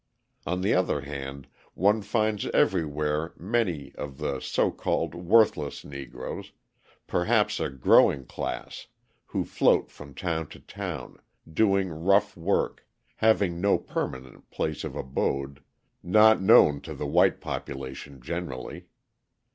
On the other hand, one finds everywhere many of the so called "worthless Negroes," perhaps a growing class, who float from town to town, doing rough work, having no permanent place of abode, not known to the white population generally.